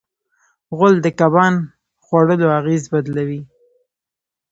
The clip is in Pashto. غول د کبان خوړلو اغېز بدلوي.